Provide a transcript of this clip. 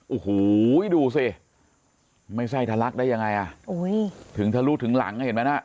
โอ้โหดูสิไม่ไส้ทะลักได้ยังไงอ่ะอุ้ยถึงทะลุถึงหลังเห็นไหมน่ะ